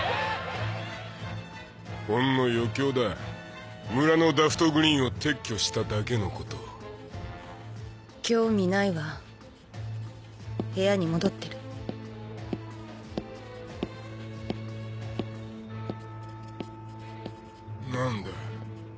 ほんの余興だ村のダフトグリーンを撤去しただけのこと興味ないわ部屋に戻ってるなんだ